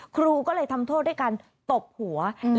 ครูก็เลยทำโทษด้วยการตบหัว